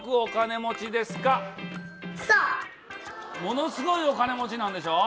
ものすごいお金持ちなんでしょ？